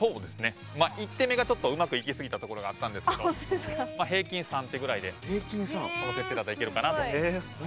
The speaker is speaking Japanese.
１手目がちょっとうまくいきすぎたところがあったんですけど平均３手ぐらいでこの設定だったらいけるかなと。